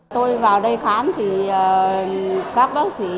tôi vào đây khám thì các bác sĩ